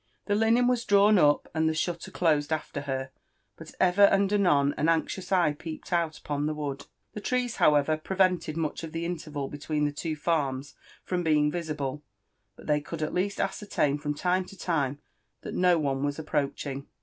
The linen was drawn up and the shutter closed after her, but ever and anon an anxious eye peeped out upon the wood. The trees, how ever, prevented much of the interval between the two farms from being visible ; but they could at least ascertain from time to time that no one was approaching.